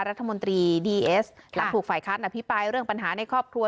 รัฐมนตรีดีเอสหลังถูกฝ่ายค้านอภิปรายเรื่องปัญหาในครอบครัว